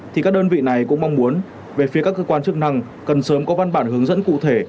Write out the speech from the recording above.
thì các đơn vị này cũng mong muốn về phía các cơ quan chức năng cần sớm có văn bản hướng dẫn cụ thể